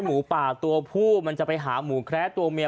หมูป่าตัวผู้มันจะไปหาหมูแคระตัวเมีย